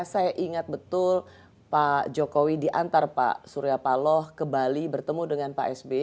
saya ingat betul pak jokowi diantar pak surya paloh ke bali bertemu dengan pak sby